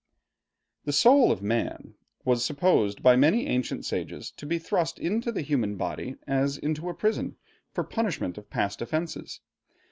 The soul of man was supposed by many ancient sages to be thrust into the human body as into a prison, for punishment of past offenses.